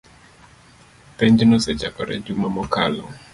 Penj nosechakore juma mokalo